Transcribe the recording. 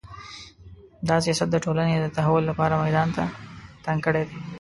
دا سیاست د ټولنې د تحول لپاره میدان تنګ کړی دی